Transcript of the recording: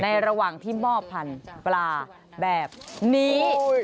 ระหว่างที่หม้อพันธุ์ปลาแบบนี้